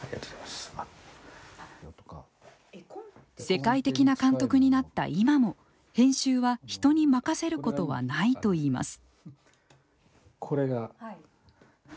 世界的な監督になった今も編集は人に任せることはないといいます。